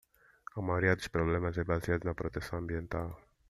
A maioria dos problemas é baseada na proteção ambiental.